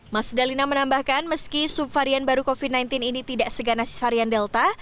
mas dalina menambahkan meski subvarian baru covid sembilan belas ini tidak seganas varian delta